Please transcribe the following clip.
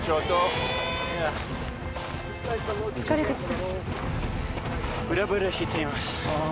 「疲れてきた」